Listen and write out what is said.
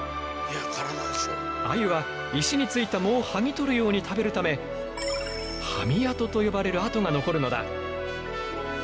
アユは石についた藻を剥ぎ取るように食べるためハミ跡と呼ばれる跡が残るのだ。